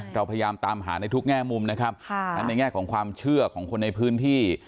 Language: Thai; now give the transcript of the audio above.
เราพยายามตามหาในทุกแง่มุมนะครับในแง่ของความเชื่อของคนในพื้นที่